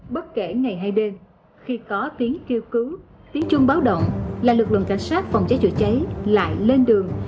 bất kể ngày hay đêm khi có tiếng kêu cứu tiếng chuông báo động là lực lượng cảnh sát phòng cháy chữa cháy lại lên đường